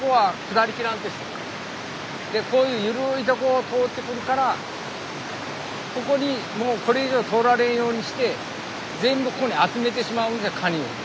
でこういう緩いとこを通ってくるからここにもうこれ以上通られんようにして全部ここに集めてしまうんですカニを。